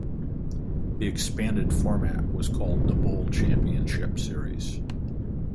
The expanded format was called the Bowl Championship Series.